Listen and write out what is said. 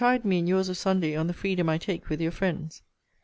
You chide me in your's of Sunday on the freedom I take with your friends.